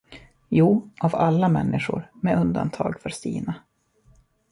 Jo, av alla människor, med undantag för Stina.